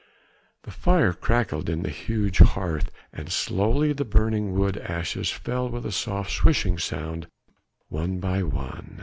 The fire crackled in the huge hearth, and slowly the burning wood ashes fell with a soft swishing sound one by one.